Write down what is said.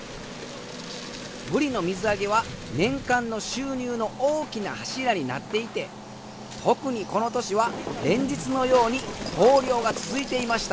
ブリの水揚げは年間の収入の大きな柱になっていて特にこの年は連日のように豊漁が続いていました。